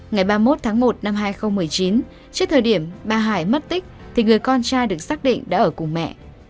ngày ba mươi một tháng một năm hai nghìn một mươi chín trước thời điểm bà hải mất tích thì người con trai được xác định đã ở cùng mẹ